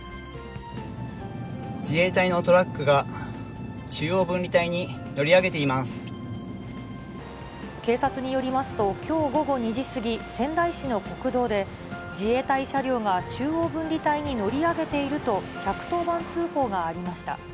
自衛隊のトラックが、中央分警察によりますと、きょう午後２時過ぎ、仙台市の国道で、自衛隊車両が中央分離帯に乗り上げていると１１０番通報がありました。